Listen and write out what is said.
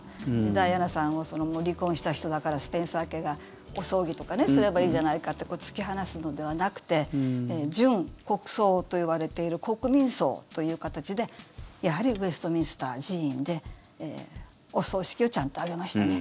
ダイアナさんを離婚した人だからスペンサー家がお葬儀とかすればいいじゃないかって突き放すのではなくて準国葬と言われている国民葬という形でやはりウェストミンスター寺院でお葬式をちゃんと挙げましたね。